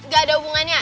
gak ada hubungannya